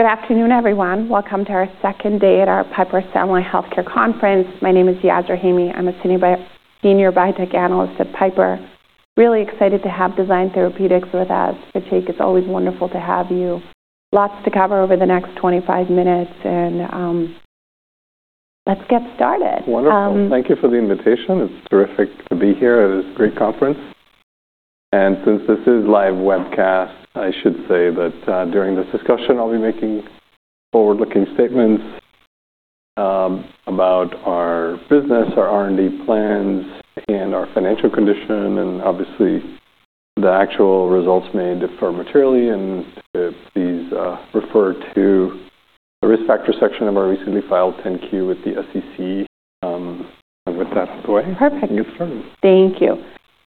Good afternoon, everyone. Welcome to our second day at our Piper Family Healthcare Conference. My name is Yasmeen Rahimi. I'm a Senior Biotech Analyst at Piper. Really excited to have Design Therapeutics with us. Pratik, it's always wonderful to have you. Lots to cover over the next 25 minutes, and let's get started. Wonderful. Thank you for the invitation. It's terrific to be here at this great conference, and since this is live webcast, I should say that during this discussion, I'll be making forward-looking statements about our business, our R&D plans, and our financial condition, and obviously, the actual results may differ materially, and please refer to the risk factor section of our recently filed 10-Q with the SEC. With that out of the way, we can get started. Perfect. Thank you.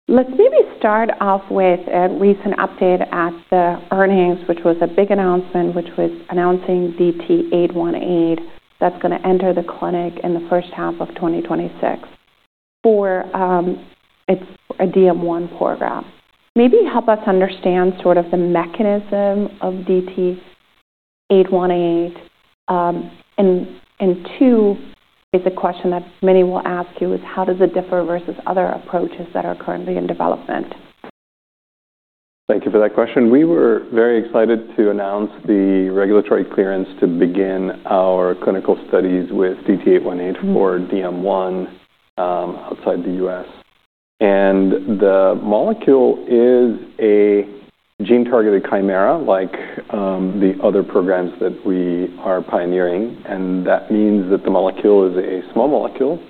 Let's maybe start off with a recent update at the earnings, which was a big announcement, which was announcing DT-818 that's going to enter the clinic in the first half of 2026 for a DM1 program. Maybe help us understand sort of the mechanism of DT-818. And two, it's a question that many will ask you is, how does it differ versus other approaches that are currently in development? Thank you for that question. We were very excited to announce the regulatory clearance to begin our clinical studies with DT-818 for DM1 outside the U.S. And the molecule is a gene-targeted chimera like the other programs that we are pioneering. And that means that the molecule is a small molecule.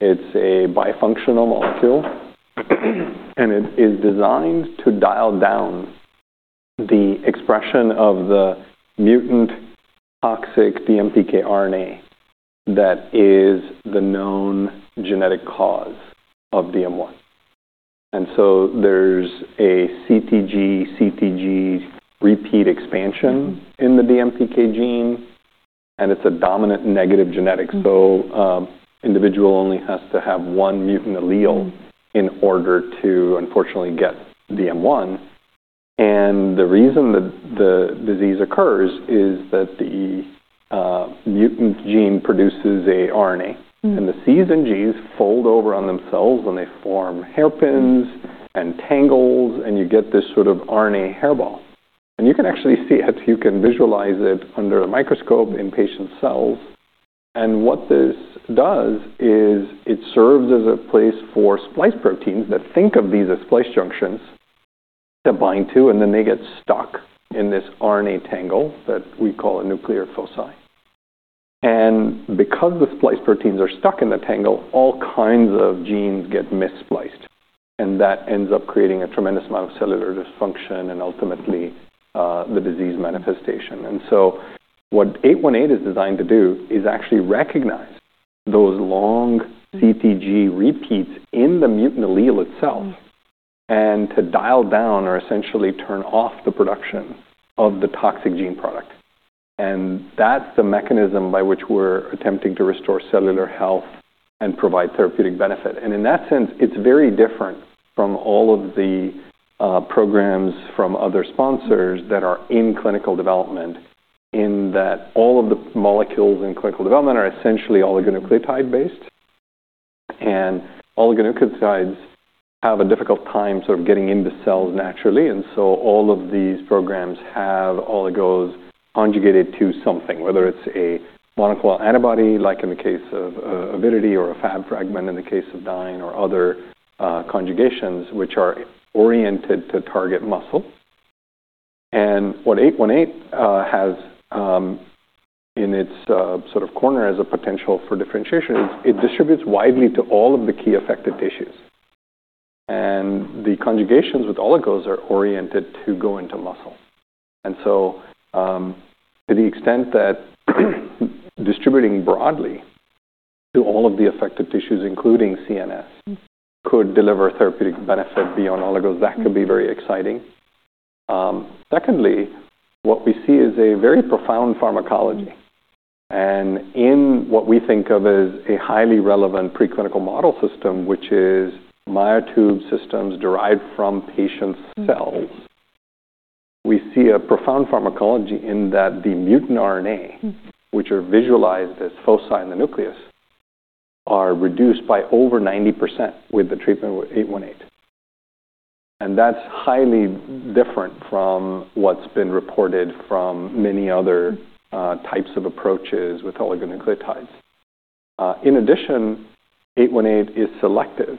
It's a bifunctional molecule. And it is designed to dial down the expression of the mutant toxic DMPK RNA that is the known genetic cause of DM1. And so there's a CTG/CTG repeat expansion in the DMPK gene. And it's a dominant negative genetic. So an individual only has to have one mutant allele in order to, unfortunately, get DM1. And the reason that the disease occurs is that the mutant gene produces an RNA. And the C's and G's fold over on themselves, and they form hairpins and tangles, and you get this sort of RNA hairball. And you can actually see it. You can visualize it under a microscope in patient cells. And what this does is it serves as a place for splice proteins that think of these as splice junctions to bind to, and then they get stuck in this RNA tangle that we call a nuclear foci. And because the splice proteins are stuck in the tangle, all kinds of genes get misspliced. And that ends up creating a tremendous amount of cellular dysfunction and ultimately the disease manifestation. And so what 818 is designed to do is actually recognize those long CTG repeats in the mutant allele itself and to dial down or essentially turn off the production of the toxic gene product. And that's the mechanism by which we're attempting to restore cellular health and provide therapeutic benefit. And in that sense, it's very different from all of the programs from other sponsors that are in clinical development in that all of the molecules in clinical development are essentially oligonucleotide-based. And oligonucleotides have a difficult time sort of getting into cells naturally. And so all of these programs have oligos conjugated to something, whether it's a monoclonal antibody like in the case of Avidity or a Fab fragment in the case of Dyne or other conjugations, which are oriented to target muscle. And what DT-818 has in its sort of corner as a potential for differentiation is it distributes widely to all of the key affected tissues. And the conjugations with oligos are oriented to go into muscle. And so to the extent that distributing broadly to all of the affected tissues, including CNS, could deliver therapeutic benefit beyond oligos, that could be very exciting. Secondly, what we see is a very profound pharmacology. And in what we think of as a highly relevant preclinical model system, which is myotube systems derived from patient cells, we see a profound pharmacology in that the mutant RNA, which are visualized as foci in the nucleus, are reduced by over 90% with the treatment with 818. And that's highly different from what's been reported from many other types of approaches with oligonucleotides. In addition, 818 is selective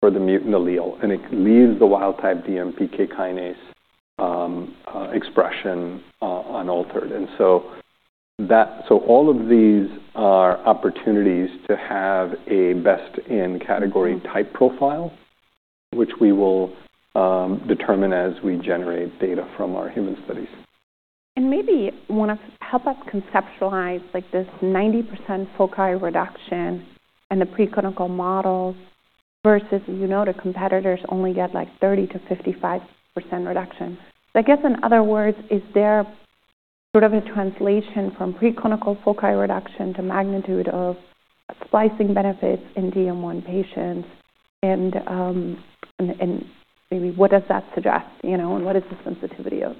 for the mutant allele, and it leaves the wild-type DMPK kinase expression unaltered. And so all of these are opportunities to have a best-in-category type profile, which we will determine as we generate data from our human studies. And maybe help us conceptualize this 90% foci reduction and the preclinical models versus, you know, the competitors only get like 30%-55% reduction, so I guess in other words, is there sort of a translation from preclinical foci reduction to magnitude of splicing benefits in DM1 patients, and maybe what does that suggest, and what is the sensitivity of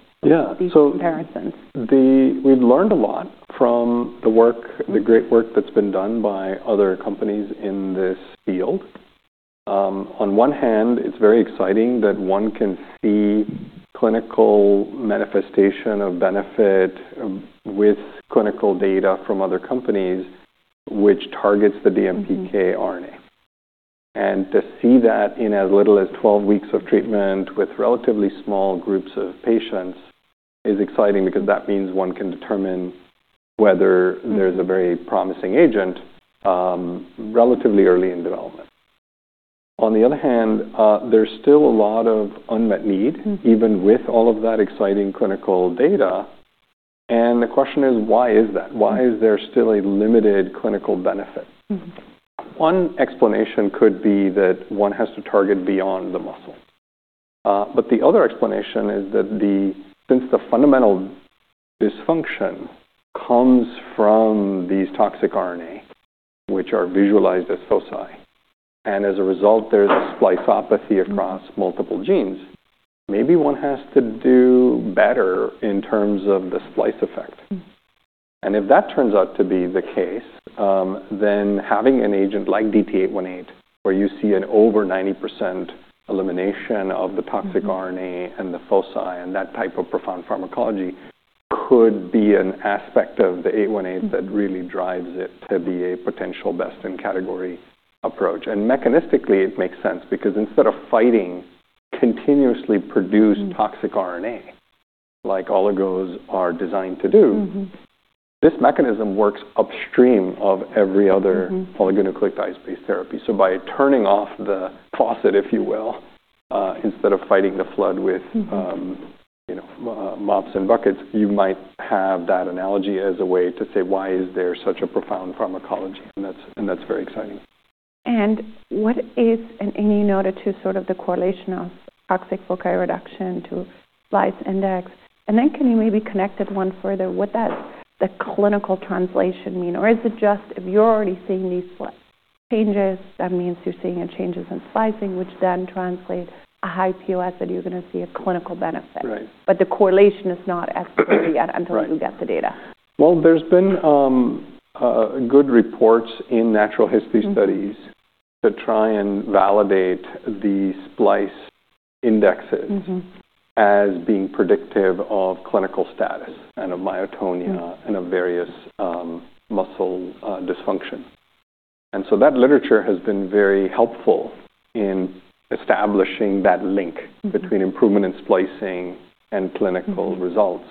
these comparisons? Yeah. So we've learned a lot from the great work that's been done by other companies in this field. On one hand, it's very exciting that one can see clinical manifestation of benefit with clinical data from other companies, which targets the DMPK RNA. And to see that in as little as 12 weeks of treatment with relatively small groups of patients is exciting because that means one can determine whether there's a very promising agent relatively early in development. On the other hand, there's still a lot of unmet need, even with all of that exciting clinical data. And the question is, why is that? Why is there still a limited clinical benefit? One explanation could be that one has to target beyond the muscle. But the other explanation is that since the fundamental dysfunction comes from these toxic RNA, which are visualized as foci, and as a result, there's spliceopathy across multiple genes, maybe one has to do better in terms of the splice effect. And if that turns out to be the case, then having an agent like DT-818, where you see an over 90% elimination of the toxic RNA and the foci and that type of profound pharmacology, could be an aspect of the 818 that really drives it to be a potential best-in-category approach. And mechanistically, it makes sense because instead of fighting continuously produced toxic RNA, like oligos are designed to do, this mechanism works upstream of every other oligonucleotide-based therapy. So by turning off the faucet, if you will, instead of fighting the flood with mops and buckets, you might have that analogy as a way to say, why is there such a profound pharmacology? And that's very exciting. What is any note to sort of the correlation of toxic foci reduction to splice index? And then can you maybe connect it one further? What does the clinical translation mean? Or is it just if you're already seeing these changes, that means you're seeing changes in splicing, which then translate a high POS, that you're going to see a clinical benefit? Right. But the correlation is not as clear yet until you get the data. Right. Well, there's been good reports in natural history studies to try and validate the splicing indices as being predictive of clinical status and of myotonia and of various muscle dysfunction. And so that literature has been very helpful in establishing that link between improvement in splicing and clinical results.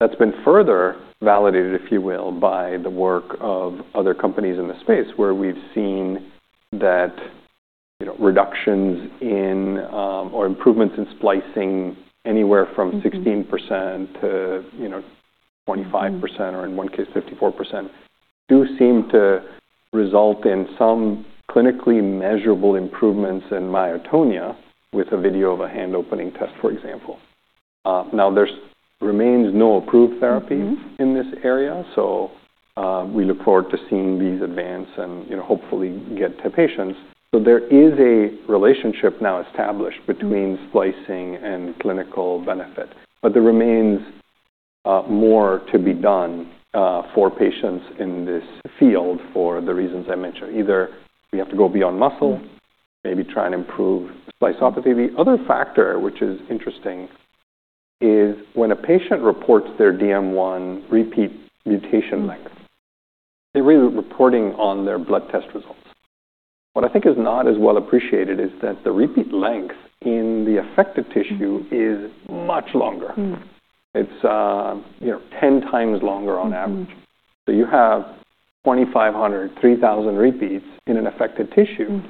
That's been further validated, if you will, by the work of other companies in the space, where we've seen that reductions in or improvements in splicing anywhere from 16%-25% or, in one case, 54% do seem to result in some clinically measurable improvements in myotonia with a video of a hand-opening test, for example. Now, there remains no approved therapy in this area. So we look forward to seeing these advance and hopefully get to patients. So there is a relationship now established between splicing and clinical benefit. But there remains more to be done for patients in this field for the reasons I mentioned. Either we have to go beyond muscle, maybe try and improve spliceopathy. The other factor, which is interesting, is when a patient reports their DM1 repeat mutation length, they're really reporting on their blood test results. What I think is not as well appreciated is that the repeat length in the affected tissue is much longer. It's 10 times longer on average. So you have 2,500, 3,000 repeats in an affected tissue.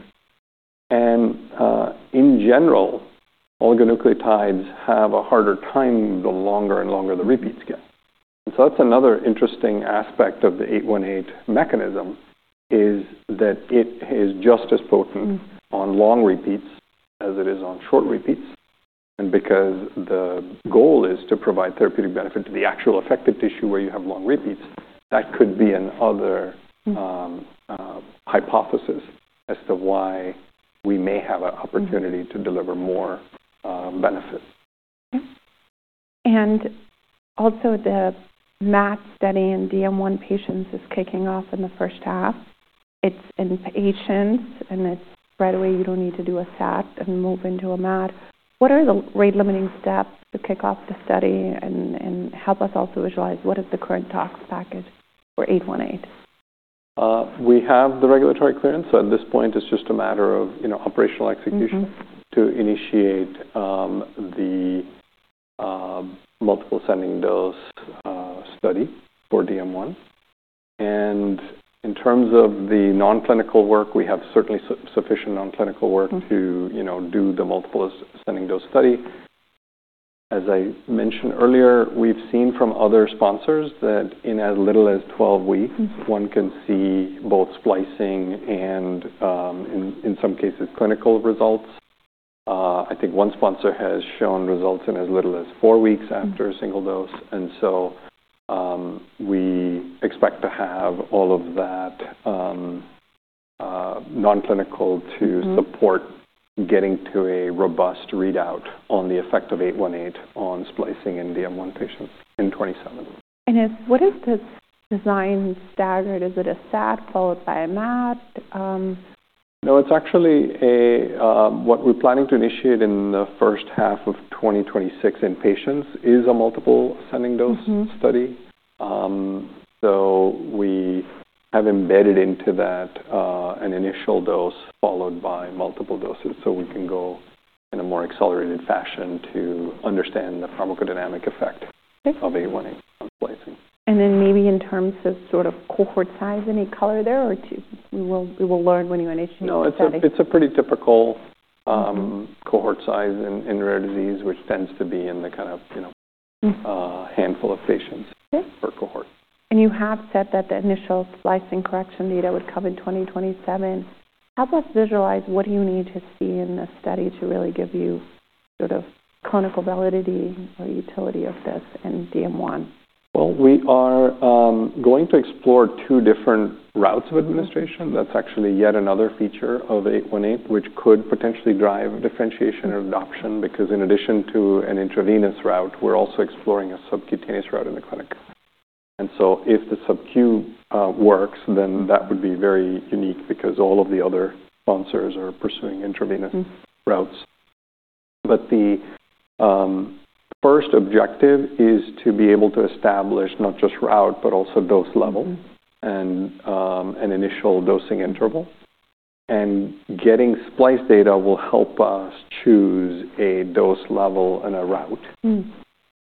And in general, oligonucleotides have a harder time the longer and longer the repeats get. And so that's another interesting aspect of the 818 mechanism, is that it is just as potent on long repeats as it is on short repeats. Because the goal is to provide therapeutic benefit to the actual affected tissue where you have long repeats, that could be another hypothesis as to why we may have an opportunity to deliver more benefit. Also, the MAT study in DM1 patients is kicking off in the first half. It's in patients, and it's right away you don't need to do a SAT and move into a MAT. What are the rate-limiting steps to kick off the study and help us also visualize what is the current tox package for 818? We have the regulatory clearance, so at this point, it's just a matter of operational execution to initiate the multiple ascending dose study for DM1. And in terms of the non-clinical work, we have certainly sufficient non-clinical work to do the multiple ascending dose study. As I mentioned earlier, we've seen from other sponsors that in as little as 12 weeks, one can see both splicing and, in some cases, clinical results. I think one sponsor has shown results in as little as four weeks after a single dose, and so we expect to have all of that non-clinical to support getting to a robust readout on the effect of DT-818 on splicing in DM1 patients in 2027. What is this Design staggered? Is it a SAD followed by a MAD? No, it's actually what we're planning to initiate in the first half of 2026 in patients is a multiple ascending dose study. So we have embedded into that an initial dose followed by multiple doses so we can go in a more accelerated fashion to understand the pharmacodynamic effect of 818 on splicing. And then maybe in terms of sort of cohort size, any color there? Or we will learn when you initiate the study. No, it's a pretty typical cohort size in rare disease, which tends to be in the kind of handful of patients per cohort. You have said that the initial splicing correction data would come in 2027. Help us visualize what do you need to see in the study to really give you sort of clinical validity or utility of this in DM1? We are going to explore two different routes of administration. That's actually yet another feature of 818, which could potentially drive differentiation or adoption because in addition to an intravenous route, we're also exploring a subcutaneous route in the clinic, and so if the subQ works, then that would be very unique because all of the other sponsors are pursuing intravenous routes, but the first objective is to be able to establish not just route, but also dose level and an initial dosing interval, and getting splicing data will help us choose a dose level and a route,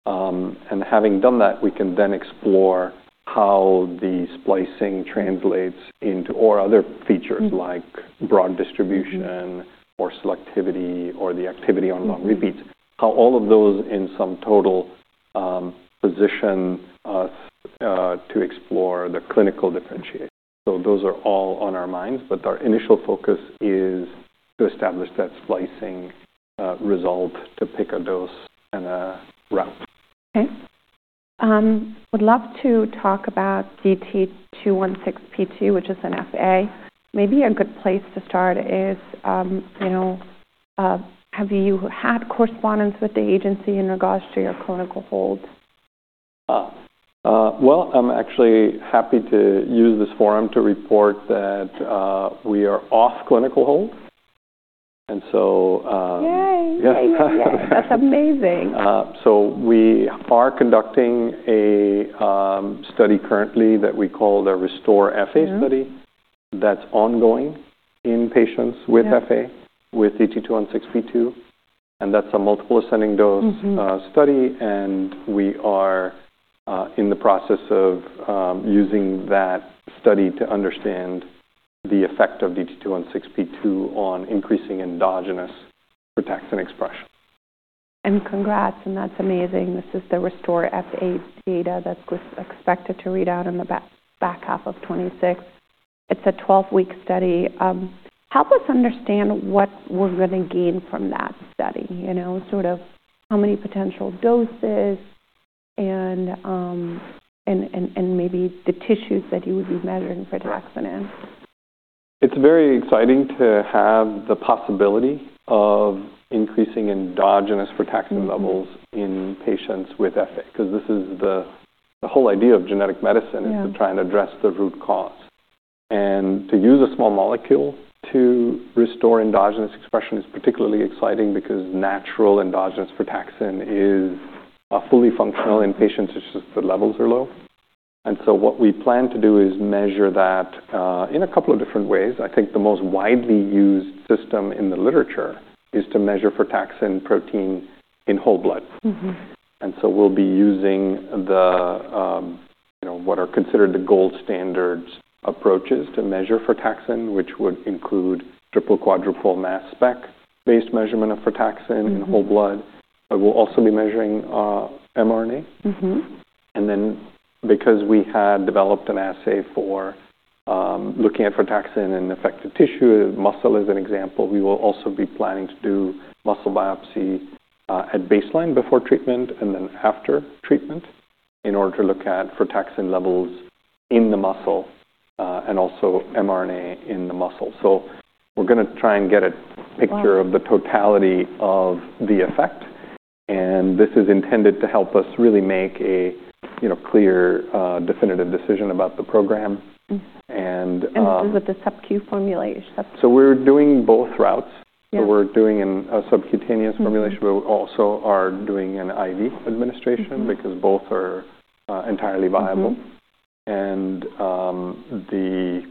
and having done that, we can then explore how the splicing translates into other features like broad distribution or selectivity or the activity on long repeats, how all of those in sum total position us to explore the clinical differentiation, so those are all on our minds. But our initial focus is to establish that splicing result to pick a dose and a route. Okay. I would love to talk about DT-216P2, which is an FA. Maybe a good place to start is, have you had correspondence with the agency in regards to your clinical hold? I'm actually happy to use this forum to report that we are off clinical hold. Yay. Yes. That's amazing. So we are conducting a study currently that we call the RESTOR-FA study that's ongoing in patients with FA with DT-216P2. And that's a multiple ascending dose study. And we are in the process of using that study to understand the effect of DT-216P2 on increasing endogenous frataxin expression. Congrats. That's amazing. This is the RESTOR-FA data that's expected to read out in the back half of 2026. It's a 12-week study. Help us understand what we're going to gain from that study, sort of how many potential doses and maybe the tissues that you would be measuring Frataxin in. It's very exciting to have the possibility of increasing endogenous Frataxin levels in patients with FA because this is the whole idea of genetic medicine, is to try and address the root cause, and to use a small molecule to restore endogenous expression is particularly exciting because natural endogenous Frataxin is fully functional in patients that just the levels are low, and so what we plan to do is measure that in a couple of different ways. I think the most widely used system in the literature is to measure Frataxin protein in whole blood, and so we'll be using what are considered the gold standard approaches to measure Frataxin, which would include triple quadruple mass spec-based measurement of Frataxin in whole blood, but we'll also be measuring mRNA. And then because we had developed an assay for looking at Frataxin in affected tissue, muscle is an example, we will also be planning to do muscle biopsy at baseline before treatment and then after treatment in order to look at Frataxin levels in the muscle and also mRNA in the muscle. So we're going to try and get a picture of the totality of the effect. And this is intended to help us really make a clear definitive decision about the program and. With the subQ formulation. So we're doing both routes. So we're doing a subcutaneous formulation, but we also are doing an IV administration because both are entirely viable. And the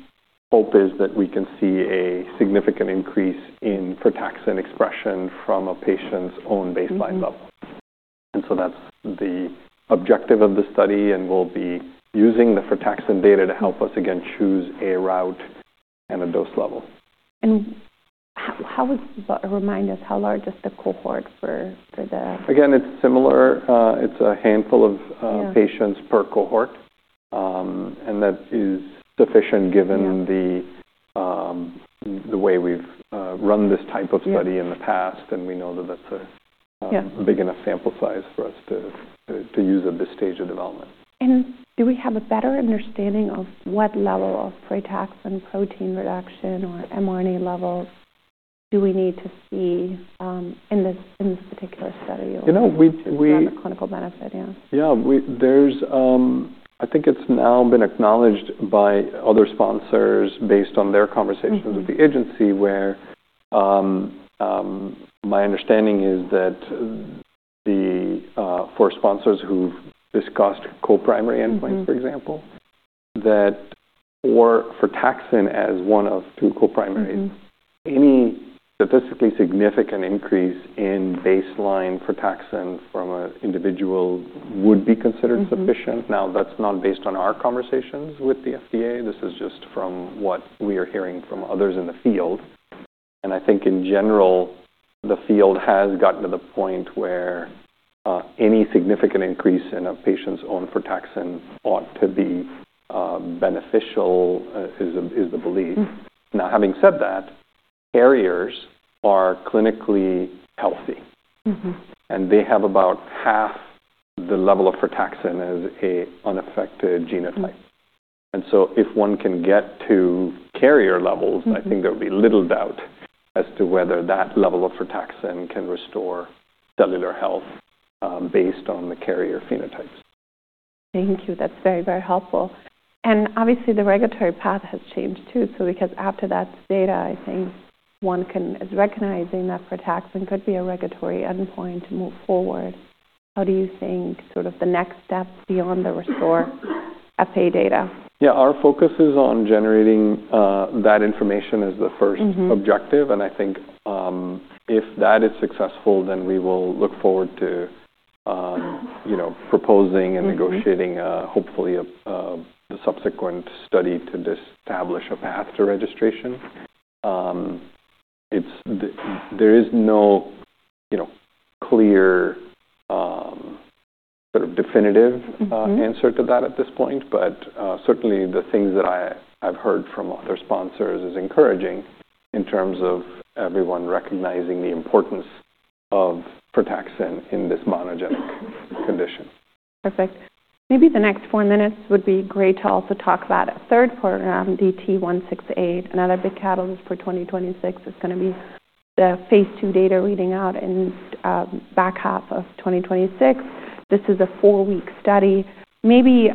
hope is that we can see a significant increase in Frataxin expression from a patient's own baseline level. And so that's the objective of the study. And we'll be using the Frataxin data to help us again choose a route and a dose level. Remind us, how large is the cohort for the? Again, it's similar. It's a handful of patients per cohort. And that is sufficient given the way we've run this type of study in the past. And we know that that's a big enough sample size for us to use at this stage of development. Do we have a better understanding of what level of Frataxin protein reduction or mRNA level do we need to see in this particular study? You know, we. To determine clinical benefit, yeah. Yeah. I think it's now been acknowledged by other sponsors based on their conversations with the agency where my understanding is that for sponsors who've discussed co-primary endpoints, for example, that for Frataxin as one of two co-primaries, any statistically significant increase in baseline Frataxin from an individual would be considered sufficient. Now, that's not based on our conversations with the FDA. This is just from what we are hearing from others in the field. And I think in general, the field has gotten to the point where any significant increase in a patient's own Frataxin ought to be beneficial is the belief. Now, having said that, carriers are clinically healthy. And they have about half the level of Frataxin as an unaffected genotype. And so if one can get to carrier levels, I think there would be little doubt as to whether that level of Frataxin can restore cellular health based on the carrier phenotypes. Thank you. That's very, very helpful. And obviously, the regulatory path has changed too. So because after that data, I think one can recognize that Frataxin could be a regulatory endpoint to move forward. How do you think sort of the next step beyond the RESTOR-FA data? Yeah. Our focus is on generating that information as the first objective. And I think if that is successful, then we will look forward to proposing and negotiating, hopefully, the subsequent study to establish a path to registration. There is no clear sort of definitive answer to that at this point. But certainly, the things that I've heard from other sponsors is encouraging in terms of everyone recognizing the importance of Frataxin in this monogenic condition. Perfect. Maybe the next four minutes would be great to also talk about a third program, DT-168, another big catalyst for 2026. It's going to be the phase 2 data reading out in the back half of 2026. This is a four-week study. Maybe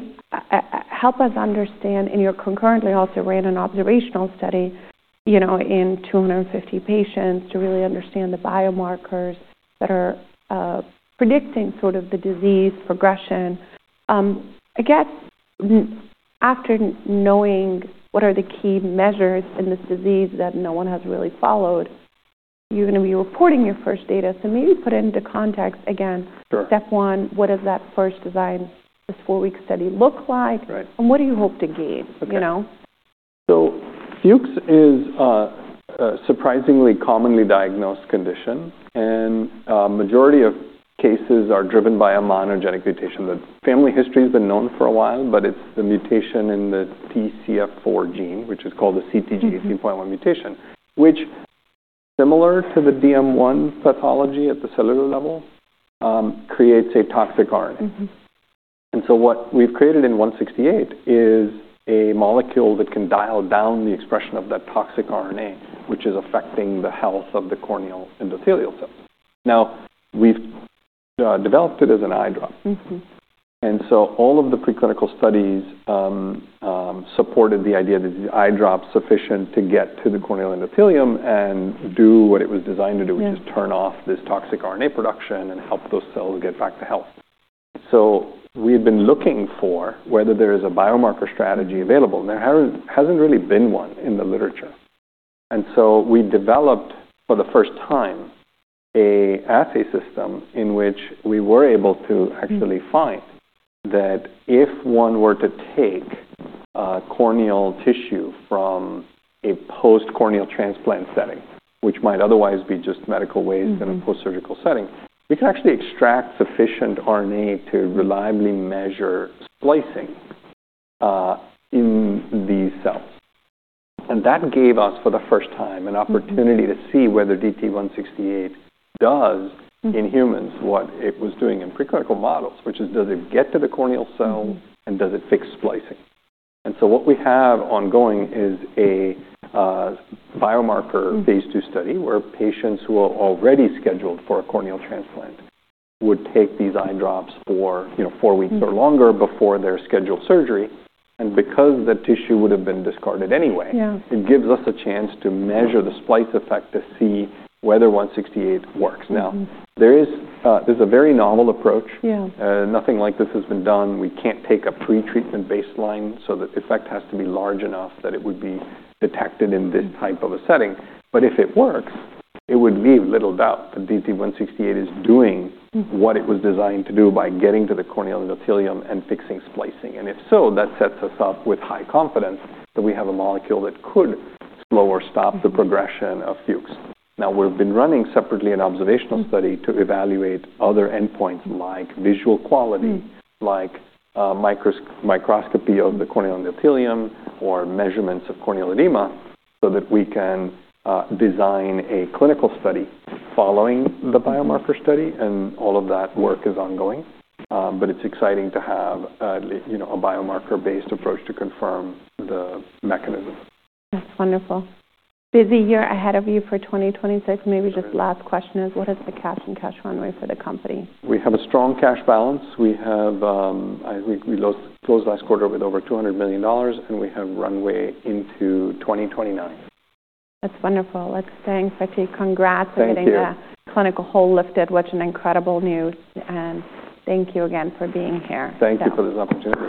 help us understand in which you concurrently also ran an observational study in 250 patients to really understand the biomarkers that are predicting sort of the disease progression. I guess after knowing what are the key measures in this disease that no one has really followed, you're going to be reporting your first data. So maybe put into context again, step one, what does that first study design, this four-week study look like? And what do you hope to gain? So Fuchs is a surprisingly commonly diagnosed condition, and majority of cases are driven by a monogenic mutation. The family history has been known for a while, but it's the mutation in the TCF4 gene, which is called the CTG18.1 mutation, which, similar to the DM1 pathology at the cellular level, creates a toxic RNA, and so what we've created in 168 is a molecule that can dial down the expression of that toxic RNA, which is affecting the health of the corneal endothelial cells. Now, we've developed it as an eye drop, and so all of the preclinical studies supported the idea that the eye drop is sufficient to get to the corneal endothelium and do what it was designed to do, which is turn off this toxic RNA production and help those cells get back to health. We had been looking for whether there is a biomarker strategy available. There hasn't really been one in the literature. We developed for the first time an assay system in which we were able to actually find that if one were to take corneal tissue from a post-corneal transplant setting, which might otherwise be just medical waste in a post-surgical setting, we can actually extract sufficient RNA to reliably measure splicing in these cells. That gave us for the first time an opportunity to see whether DT-168 does in humans what it was doing in preclinical models, which is, does it get to the corneal cell and does it fix splicing? And so, what we have ongoing is a biomarker phase two study where patients who are already scheduled for a corneal transplant would take these eye drops for four weeks or longer before their scheduled surgery. And because the tissue would have been discarded anyway, it gives us a chance to measure the splice effect to see whether DT-168 works. Now, there's a very novel approach. Nothing like this has been done. We can't take a pretreatment baseline. So the effect has to be large enough that it would be detected in this type of a setting. But if it works, it would leave little doubt that DT-168 is doing what it was designed to do by getting to the corneal endothelium and fixing splicing. And if so, that sets us up with high confidence that we have a molecule that could slow or stop the progression of Fuchs. Now, we've been running separately an observational study to evaluate other endpoints like visual quality, like microscopy of the corneal endothelium or measurements of corneal edema so that we can design a clinical study following the biomarker study. And all of that work is ongoing. But it's exciting to have a biomarker-based approach to confirm the mechanism. That's wonderful. Busy year ahead of you for 2026. Maybe just last question is, what is the cash and cash runway for the company? We have a strong cash balance. We closed last quarter with over $200 million, and we have runway into 2029. That's wonderful. That's fantastic. Congrats. Thank you. I think the clinical hold lifted. What an incredible news and thank you again for being here. Thank you for this opportunity.